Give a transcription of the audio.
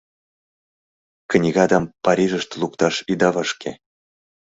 — Книгадам Парижыште лукташ ида вашке.